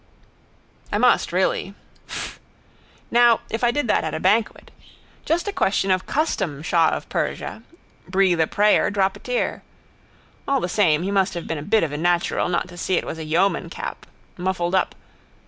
I must really. Fff. Now if I did that at a banquet. Just a question of custom shah of Persia. Breathe a prayer, drop a tear. All the same he must have been a bit of a natural not to see it was a yeoman cap. Muffled up.